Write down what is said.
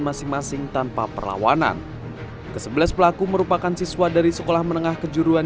masing masing tanpa perlawanan kesebelas pelaku merupakan siswa dari sekolah menengah kejuruan